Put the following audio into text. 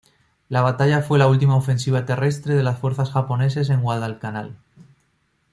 La batalla fue la última ofensiva terrestre de las fuerzas japonesas en Guadalcanal.